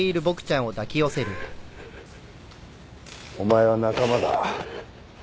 お前は仲間だ。